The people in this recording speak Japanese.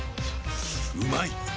うまい！